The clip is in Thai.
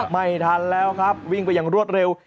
ไม่ทันแล้วครับวิ่งไปอย่างรวดเร็ว